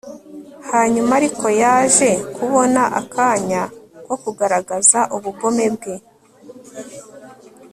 hanyuma ariko yaje kubona akanya ko kugaragaza ubugome bwe